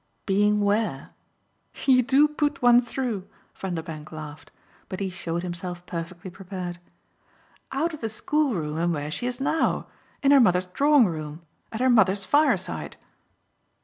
"Being where?" "You do put one through!" Vanderbank laughed. But he showed himself perfectly prepared. "Out of the school room and where she is now. In her mother's drawing room. At her mother's fireside."